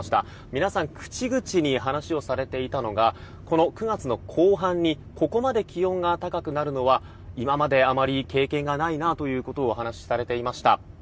皆さん口々に話をされていたのが９月後半にここまで気温が高くなるのは今まで、あまり経験がないなとお話しされていました。